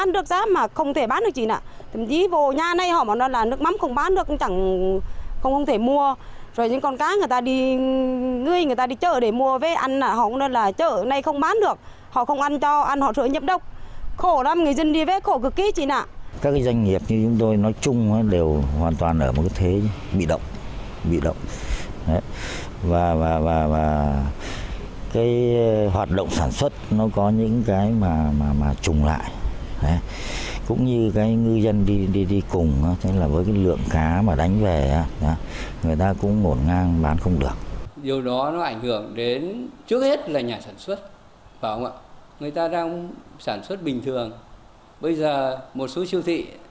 điều đó ảnh hưởng đến trước hết là nhà sản xuất người ta đang sản xuất bình thường bây giờ một số siêu thị